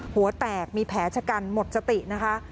หัวแตกมีแผลชะกันหมดสตินะคะ